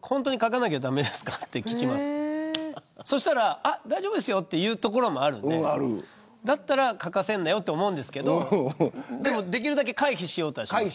本当に書かなきゃ駄目ですかってそうしたら大丈夫ですよと言うところもあるんでだったら書かせんなよって思うんですけどでも、できるだけ回避しようとしています。